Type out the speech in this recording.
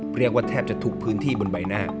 เรียกว่าแทบจะทุกพื้นที่บนใบหน้า